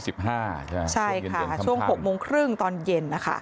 ช่วงเย็นเดือนซ้ำพันธ์ใช่ค่ะช่วง๖โมงครึ่งตอนเย็นค่ะ